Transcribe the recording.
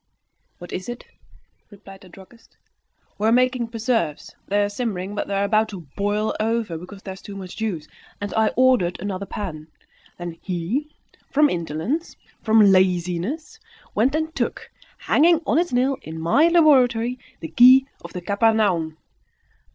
"What is it?" replied the druggist. "We are making preserves; they are simmering; but they were about to boil over, because there is too much juice, and I ordered another pan. Then he, from indolence, from laziness, went and took, hanging on its nail in my laboratory, the key of the Capharnaum."